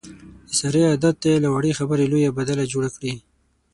د سارې عادت دی، له وړې خبرې لویه بدله جوړه کړي.